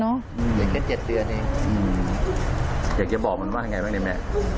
เหลือแค่๗เดือนเองอยากจะบอกมันว่ายังไงบ้างเนี่ยแม่